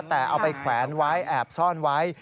แต่เอาไปแขวนไว้แอบซ่อนไว้